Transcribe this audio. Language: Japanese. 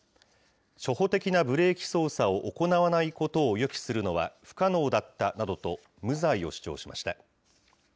初歩的なブレーキ操作を行わないことを予期するのは不可能だったなどと、無罪を主張しました。